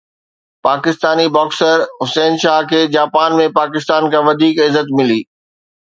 Pakistani boxer Hussain Shah کي Japan ۾ Pakistan کان وڌيڪ عزت ملي